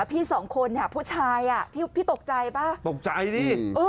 ไปไปไปไป